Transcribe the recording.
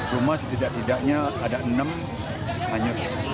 rumah setidak tidaknya ada enam hanyut